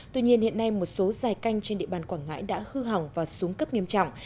tuy nhiên hiện nay một số dài canh trên địa bàn quảng ngãi đã hư hỏng và xuống cấp nghiêm trọng